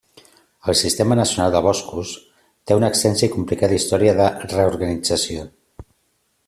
El Sistema Nacional de Boscos té una extensa i complicada història de reorganització.